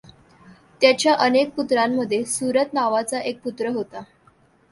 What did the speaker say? त्याच्या अनेक पुत्रांमध्ये सुरथ नावाचा एक पुत्र होता.